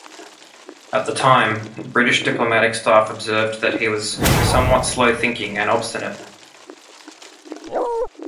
At the time, British diplomatic staff observed that he was "somewhat slow-thinking and obstinate".